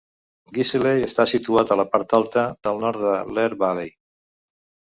Guiseley està situat a la part alta del nord de l'Aire Valley.